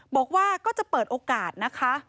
บอกว่าก็จะเปิดโอกาสนะคะ